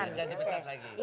jangan dipecat lagi